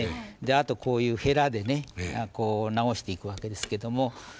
あとこういうヘラでねこう直していくわけですけども。